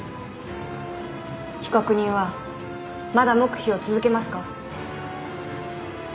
被告人はまだ黙秘を続けますか。